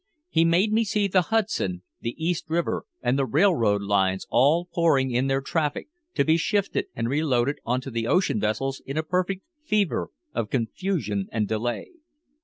He made me see the Hudson, the East River and the railroad lines all pouring in their traffic, to be shifted and reloaded onto the ocean vessels in a perfect fever of confusion and delay.